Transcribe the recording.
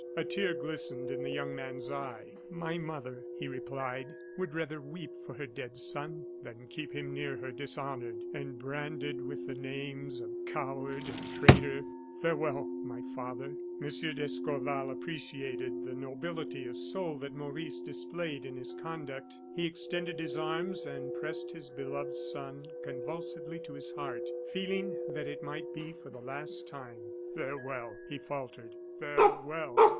A tear glistened in the young man's eye. "My mother," he replied, "would rather weep for her dead son than keep him near her dishonored, and branded with the names of coward and traitor. Farewell! my father." M. d'Escorval appreciated the nobility of soul that Maurice displayed in his conduct. He extended his arms, and pressed his beloved son convulsively to his heart, feeling that it might be for the last time. "Farewell!" he faltered, "farewell!"